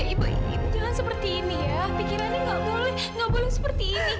ibu ini jalan seperti ini ya pikirannya nggak boleh nggak boleh seperti ini